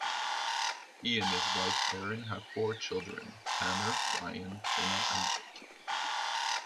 He and his wife Erin have four children: Tanner, Ryan, Jenna and Jake.